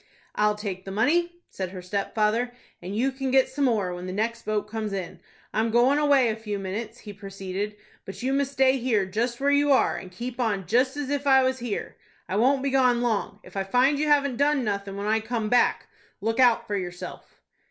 "I'll take the money," said her stepfather, "and you can get some more when the next boat comes in. I'm goin' away a few minutes," he proceeded; "but you must stay here just where you are, and keep on just as if I was here. I won't be gone long. If I find you haven't done nothing when I come back, look out for yourself."